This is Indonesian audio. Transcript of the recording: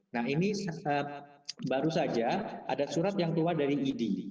nah ini baru saja ada surat yang keluar dari idi